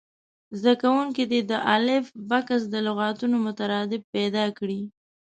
زده کوونکي دې د الف بکس د لغتونو مترادف پیدا کړي.